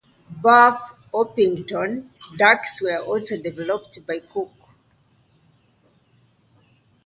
Buff Orpington Ducks were also developed by Cook.